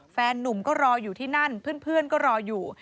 แฟนนุ่มก็รออยู่ที่นั่นเพื่อนก็รออยู่